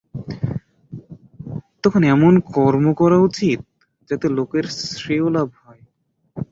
তখন এমন কর্ম করা উচিত, যাতে লোকের শ্রেয়োলাভ হয়।